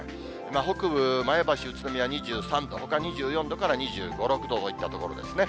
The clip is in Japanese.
北部、前橋、宇都宮、２３度、ほか２４度から２５、６度、こういったところですね。